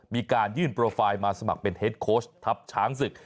มีการยื่นโปรไฟล์มาสมัครเป็นเฮดโค้ชทัพช้างศึก